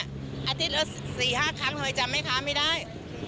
อาทิตย์เอาสี่ห้าครั้งทำไมจำไม่ค้าไม่ได้